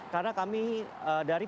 karena kami dari pertempatan